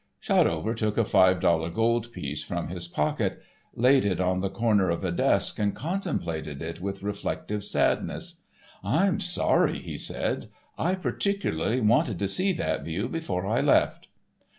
Shotover took a five dollar gold piece from his pocket, laid it on the corner of a desk, and contemplated it with reflective sadness. "I'm sorry," he said; "I particularly wanted to see that view before I left."